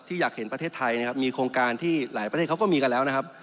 อยากเห็นประเทศไทยนะครับมีโครงการที่หลายประเทศเขาก็มีกันแล้วนะครับ